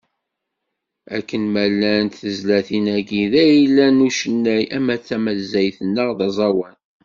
Akken ma llant tezlatin-agi, d ayla n ucennay, ama d tameyazt neɣ aẓawan.